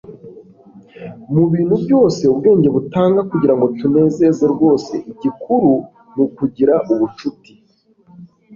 mu bintu byose ubwenge butanga kugira ngo tunezeze rwose, igikuru ni ukugira ubucuti